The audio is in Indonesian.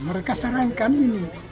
mereka sarankan ini